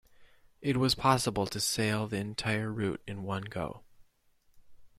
It was possible to sail the entire route in one go.